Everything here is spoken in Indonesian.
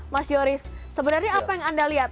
mas yoris sebenarnya apa yang anda lihat